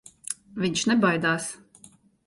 Viņš nebaidās.